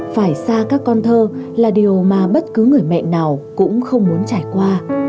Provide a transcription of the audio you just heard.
phải xa các con thơ là điều mà bất cứ người mẹ nào cũng không muốn trải qua